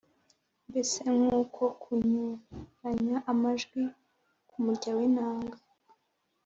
mbese nk’uko kunyuranya amajwi k’umurya w’inanga